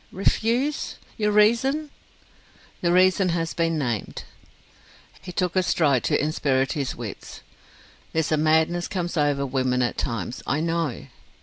Refuse? Your reason!" "The reason has been named." He took a stride to inspirit his wits. "There's a madness comes over women at times, I know.